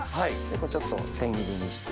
ちょっと千切りにして。